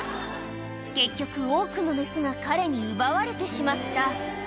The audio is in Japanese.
結局、多くの雌が彼に奪われてしまった。